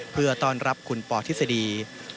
เพื่อต้อนรับคุณปอทฤษฎี